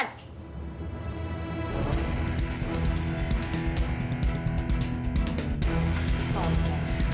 tidak ada foto